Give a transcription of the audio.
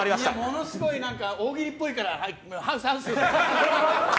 ものすごい大喜利っぽいからハウス、ハウス！